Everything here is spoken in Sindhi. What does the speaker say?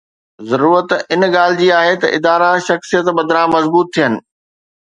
ضرورت ان ڳالهه جي آهي ته ادارا ”شخصيت“ بدران مضبوط ٿين.